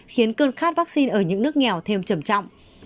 khiến cơn khát vaccine ở những nước nghèo thêm trầm trọng